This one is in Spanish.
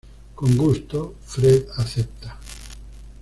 Con gusto, Fred acepta.